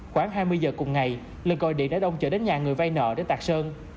khoảng hai mươi giờ cùng ngày lực gọi điện đã đông chở đến nhà người vay nợ để tạc sơn